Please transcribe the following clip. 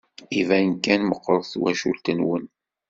Iban kan meɣɣret twacult-nwen.